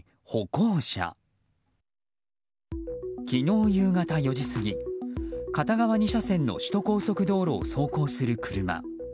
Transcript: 昨日夕方４時過ぎ片側２車線の首都高速道路を走行する車。